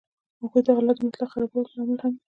هغوی د حالت د مطلق خرابوالي لامل هم دي